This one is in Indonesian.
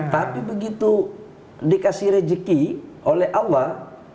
tapi begitu dikasih rezeki oleh allah